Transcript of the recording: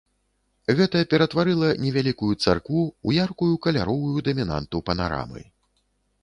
Гэта ператварыла невялікую царкву ў яркую каляровую дамінанту панарамы.